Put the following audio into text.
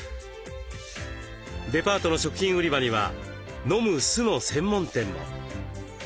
デパートの食品売り場にはのむ酢の専門店も。